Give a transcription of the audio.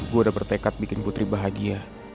gue udah bertekad bikin putri bahagia